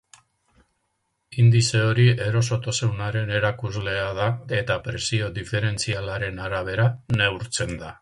Indize hori erosotasunaren erakuslea da eta presio diferentzialaren arabera neurtzen da.